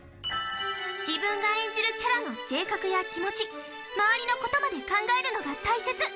「自分が演じるキャラの性格や気持ち周りのことまで考えるのが大切」。